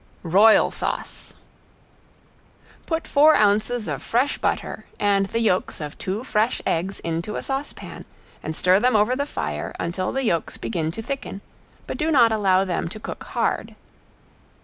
~ROYAL SAUCE~ Put four ounces of fresh butter and the yolks of two fresh eggs into a saucepan and stir them over the fire until the yolks begin to thicken, but do not allow them to cook hard.